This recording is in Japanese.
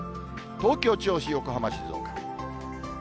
東京、銚子、横浜、静岡。